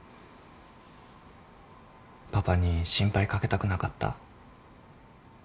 パパに心配かけたくなかった？